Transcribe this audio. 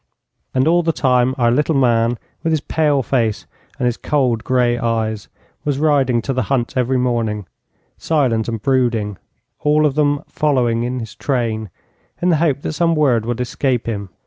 And all the time our little man, with his pale face and his cold, grey eyes, was riding to the hunt every morning, silent and brooding, all of them following in his train, in the hope that some word would escape him.